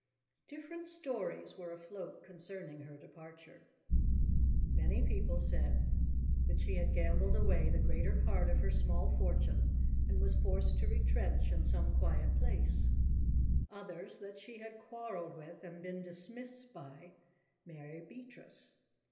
Different stories were afloat concerning her departure. Many people said that she had gambled away the greater part of her small fortune and was forced to retrench in some quiet place; others, that she had quarrelled with, and been dismissed by, Mary Beatrice.